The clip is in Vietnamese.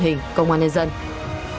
hẹn gặp lại các bạn trong những video tiếp theo